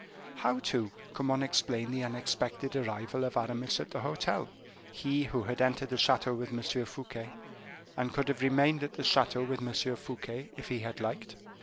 How, too, can one explain the unexpected arrival of Aramis at the hotel he who had entered the chateau with M. Fouquet, and could have remained at the chateau with M. Fouquet if he had liked?